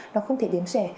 nó không thể đếm rẻ